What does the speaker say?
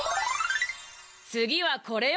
つぎはこれよ！